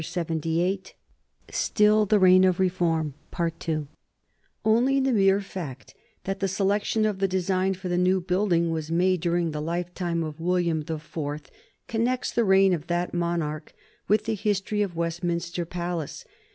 [Sidenote: 1840 The seating capacity of the Commons] Only the mere fact that the selection of the design for the new building was made during the lifetime of William the Fourth connects the reign of that monarch with the history of Westminster Palace.